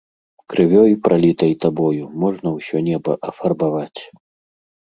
Крывёй, пралітай табою, можна ўсё неба афарбаваць.